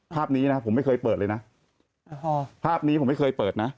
ภาพนี้นะผมไม่เคยเปิดเลยนะภาพนี้ผมไม่เคยเปิดนะ